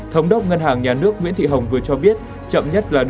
thống đốc ngân hàng nhà nước nguyễn thị hồng vừa cho biết